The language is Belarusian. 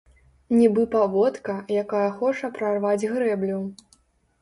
Нібы паводка, якая хоча прарваць грэблю.